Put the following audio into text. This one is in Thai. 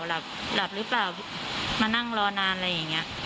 หลับหลับหรือเปล่ามานั่งรอนานอะไรอย่างนี้